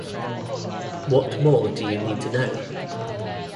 What more do you need to know?